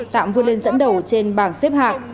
tạm vươn lên dẫn đầu trên bảng xếp hạc